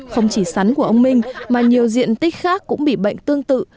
không chỉ sắn của ông minh mà nhiều diện tích khác cũng bị bệnh tương tự